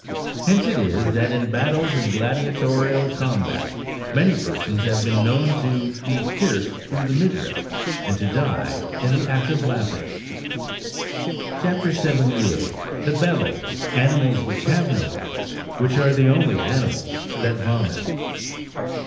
Hence it is, that in battles and gladiatorial combats, many persons have been known to be pierced through the midriff, and to die in the act of laughing.80 CHAP. 78. THE BELLY: ANIMALS WHICH HAVE NO BELLY. WHICH ABE THE ONLY ANIMALS THAT VOMIT.